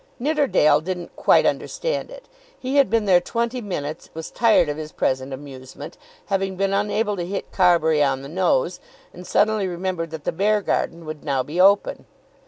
Nidderdale didn't quite understand it. He had been there twenty minutes, was tired of his present amusement, having been unable to hit Carbury on the nose, and suddenly remembered that the Beargarden would now be open.